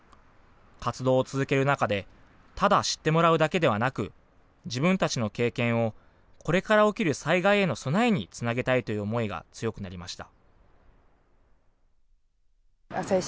活動を続ける中でただ知ってもらうだけではなく自分たちの経験をこれから起きる災害への備えにつなげたいという思いが強くなりました。